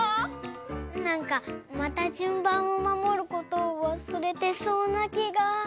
なんかまたじゅんばんをまもることをわすれてそうなきが。